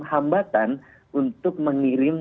hambatan untuk mengirim